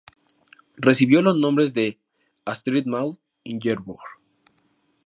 Recibió los nombres de "Astrid Maud Ingeborg".